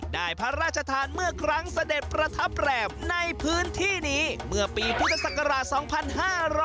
ได้พระราชทานเมื่อครั้งเสด็จประทับแรมในพื้นที่นี้เมื่อปีพุทธศักราช๒๕๕๙